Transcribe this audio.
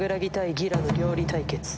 ギラの料理対決。